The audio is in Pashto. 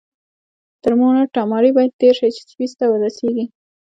تر مونټ تاماري باید تېر شئ چې سویس ته ورسیږئ.